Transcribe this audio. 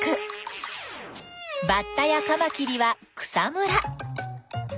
バッタやカマキリは草むら。